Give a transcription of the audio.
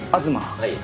はい。